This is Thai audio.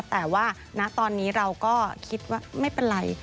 แต่ว่าณตอนนี้เราก็คิดว่าไม่เป็นไร